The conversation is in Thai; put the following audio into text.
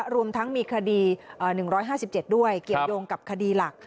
รวมทั้งมีคดี๑๕๗ด้วยเกี่ยวยงกับคดีหลัก